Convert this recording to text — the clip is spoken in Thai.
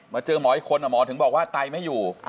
เจอหมออีกคนหมอถึงบอกว่าไตไม่อยู่